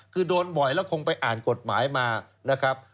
คือโดนบ่อยแล้วคงไปอ่านกฎหมายมานะครับ